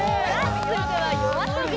続いてはＹＯＡＳＯＢＩ